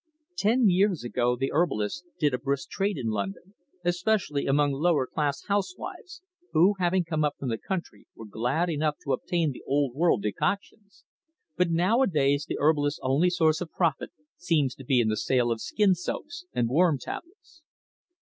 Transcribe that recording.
Ten years ago the herbalists did a brisk trade in London, especially among lower class housewives who, having come up from the country, were glad enough to obtain the old world decoctions; but nowadays the herbalists' only source of profit seems to be in the sale of skin soaps and worm tablets.